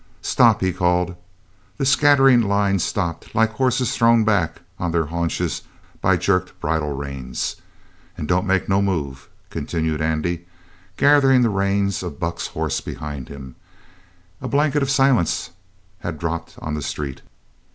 "Stop!" he called. The scattering line stopped like horses thrown back on their haunches by jerked bridle reins. "And don't make no move," continued Andy, gathering the reins of Buck's horse behind him. A blanket of silence had dropped on the street.